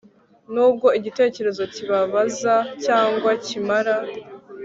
nubwo igitekerezo kibabaza cyangwa kimara